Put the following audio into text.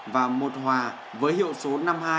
và một hòa với hiệu số năm hai